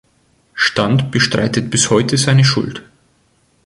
Stand bestreitet bis heute seine Schuld.